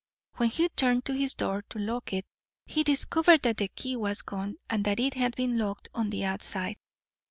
When he turned to his door to lock it, he discovered that the key was gone and that it had been locked on the outside.